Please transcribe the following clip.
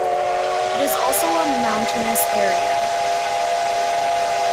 It is also a mountainous area.